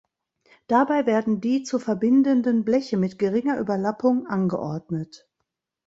Dabei werden die zu verbindenden Bleche mit geringer Überlappung angeordnet.